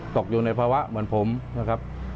ตกอยู่ในภาวะเหมือนผมนะครับ